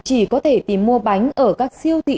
chỉ có thể tìm mua bánh ở các siêu thị